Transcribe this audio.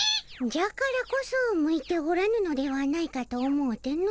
じゃからこそ向いておらぬのではないかと思うての。